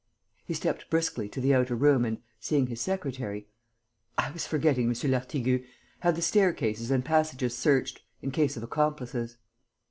He stepped briskly to the outer room and, seeing his secretary: "I was forgetting, M. Lartigue. Have the staircases and passages searched ... in case of accomplices."